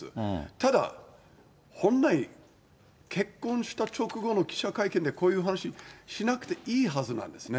ただ、本来、結婚した直後の記者会見でこういう話しなくていいはずなんですね。